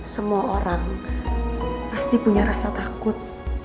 semua orang pasti punya rasa takut